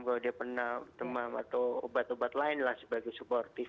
bahwa dia pernah demam atau obat obat lain lah sebagai suportif